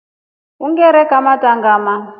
Ungare kamata ngama.